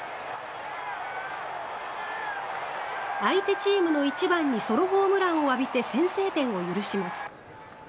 相手チームの１番にソロホームランを浴びて先制点を許します。